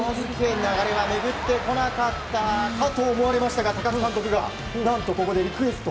流れは巡ってこなかったかと思いましたが高津監督が何とここでリクエスト。